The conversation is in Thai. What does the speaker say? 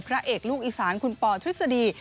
พระเอกลูกอีสานคุณปอทฤษฎี